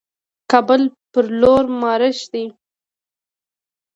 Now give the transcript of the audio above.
کابل پر لور مارش شي.